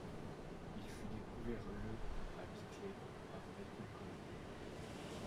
Il fut découvert le à Bickley par Michael Candy.